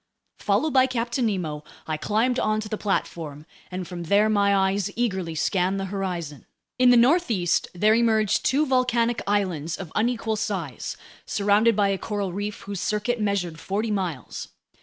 Followed by Captain Nemo, I climbed onto the platform, and from there my eyes eagerly scanned the horizon. In the northeast there emerged two volcanic islands of unequal size, surrounded by a coral reef whose circuit measured forty miles.